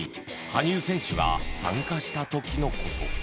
羽生選手が参加した時のこと